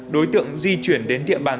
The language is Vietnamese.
đối tượng di chuyển đến địa bàn